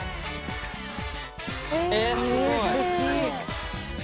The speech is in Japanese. えっすごい！